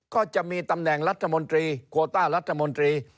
ก็จะมีตำแหน่งรัฐมนตรีโคต้ารัฐมนตรี